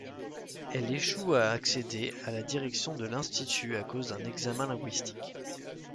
Elle échoue à accéder à la direction de l'institut à cause d'un examen linguistique.